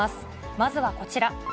まずはこちら。